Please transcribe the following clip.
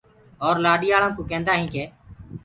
اور لآڏياݪآ ڪوٚ ڪيندآ هينٚ ڪي۔